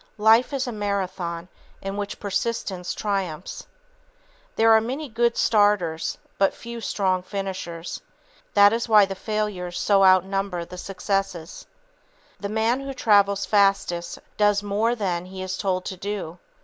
Life is a Marathon in which persistence triumphs. There are many "good starters," but few "strong finishers." That is why the failures so outnumber the successes. [Sidenote: Steps in Self Development] The man who travels fastest does more than he is told to do.